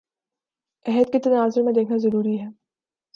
عہد کے تناظر میں دیکھنا ضروری ہے